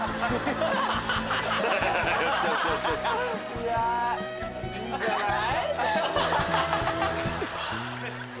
いやいいんじゃない？